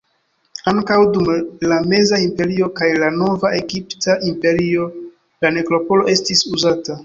Ankaŭ dum la Meza Imperio kaj la Nova Egipta Imperio la nekropolo estis uzata.